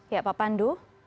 ya pak pandu